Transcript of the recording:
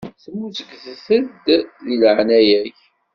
Smuzget-d di leɛnaya-k.